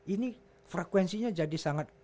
ini frekuensinya jadi sangat